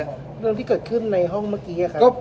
เรื่องที่เกิดขึ้นในห้องเมื่อกี้ครับ